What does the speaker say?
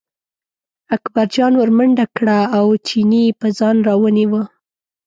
اکبرجان ور منډه کړه او چینی یې په ځان راونیوه.